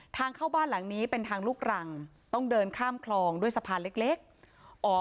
ทางเข้าบ้านหลังนี้เป็นทางลูกรังต้องเดินข้ามคลองด้วยสะพานเล็กอ๋อ